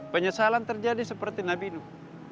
penyesalan terjadi seperti nabi nu